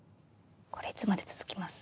これいつまで続きます？